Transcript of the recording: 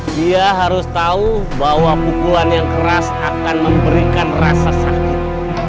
dia harus tahu bahwa pukulan yang keras akan memberikan rasa sakit